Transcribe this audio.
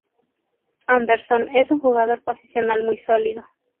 Andersson es un jugador posicional muy sólido.